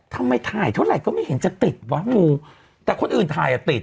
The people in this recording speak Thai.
ทำไมถ่ายเท่าไหร่ก็ไม่เห็นจะติดวะงูแต่คนอื่นถ่ายอ่ะติด